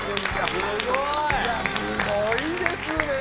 すごいですね！